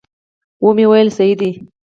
ومې ویل صحیح دي.